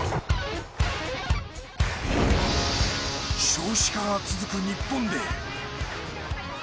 少子化が続く日本で。